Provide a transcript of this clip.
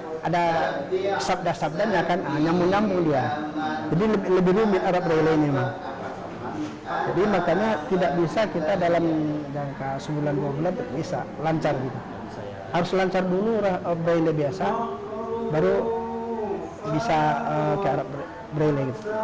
tadarus ini adalah warga yang berdomisili di kota medan